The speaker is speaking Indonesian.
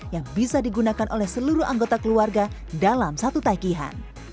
yang bisa digunakan oleh seluruh anggota keluarga dalam satu tagihan